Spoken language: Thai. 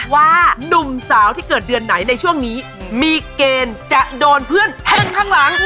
นุ่มสาวที่เกิดเดือนไหนในช่วงนี้มีเกณฑ์จะโดนเพื่อนแทงข้างหลัง